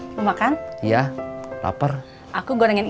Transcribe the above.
kalau gini hampir apa wedding gali